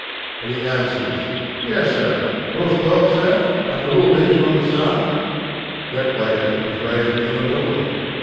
And he answers: "Yes, sir, roast pork, sir, and a little bacon on the side?" That waiter was raised in Illinois.